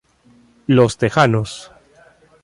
Los tejanos.